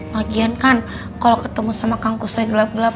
lagian kan kalau ketemu sama kangkusoy gelap gelapan